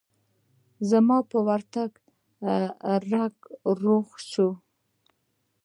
زما په ورتگ رکه روغه سوه.